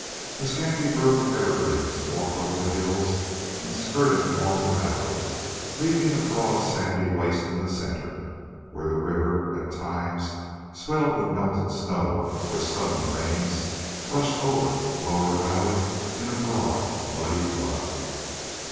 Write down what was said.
A scanty growth of the evergreens walked over the hills and skirted along the valley, leaving a broad, sandy waste in the center where the river at times swelled with melted snow or sudden rains and rushed over the lower valley in a broad, muddy flood.